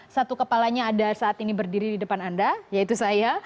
satu kepalanya ada saat ini berdiri di depan anda yaitu saya